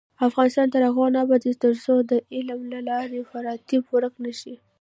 افغانستان تر هغو نه ابادیږي، ترڅو د علم له لارې افراطیت ورک نشي.